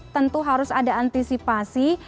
tentu harus ada antisipasi